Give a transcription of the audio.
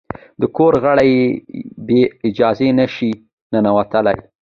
د کورنۍ غړي بې اجازې نه شي ننوتلای.